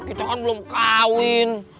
kita kan belum kawin